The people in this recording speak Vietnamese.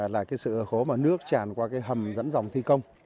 là sự cố mà nước tràn qua hầm dẫn dòng thi công